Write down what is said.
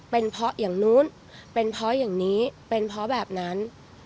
เป็นเพราะอย่างนู้นเป็นเพราะอย่างนี้เป็นเพราะแบบนั้น